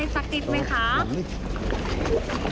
สักติด